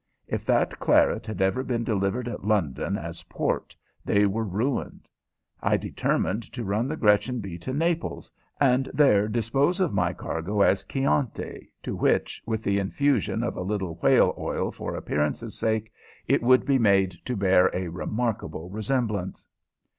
If that claret had ever been delivered at London as port they were ruined. I determined to run the Gretchen B. to Naples, and there dispose of my cargo as Chianti, to which, with the infusion of a little whale oil for appearance' sake, it could be made to bear a remarkable resemblance.